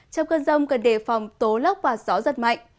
trong cơn rông cần đề phòng tố lốc và gió giật mạnh